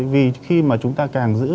vì khi mà chúng ta càng giữ